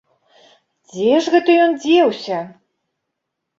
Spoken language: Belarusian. Дзе ж гэта ён дзеўся?